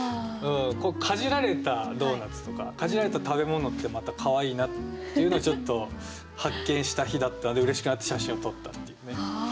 かじられたドーナツとかかじられた食べ物ってまたかわいいなっていうのをちょっと発見した日だったのでうれしくなって写真を撮ったっていうね。